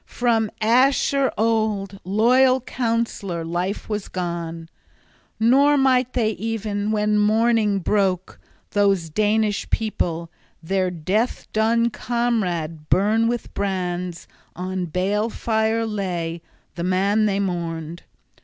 From Aeschere old, loyal councillor, life was gone; nor might they e'en, when morning broke, those Danish people, their death done comrade burn with brands, on balefire lay the man they mourned.